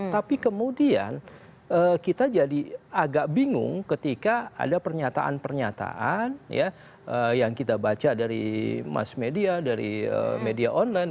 tapi kemudian kita jadi agak bingung ketika ada pernyataan pernyataan yang kita baca dari mass media dari media online